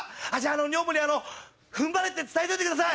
女房に踏ん張れ！って伝えといてください。